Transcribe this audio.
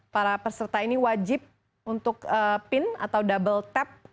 para peserta ini wajib untuk pin atau double tap